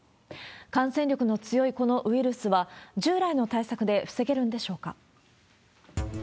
感染力の強いこのウイルスは、従来の対策で防げるんでしょうか。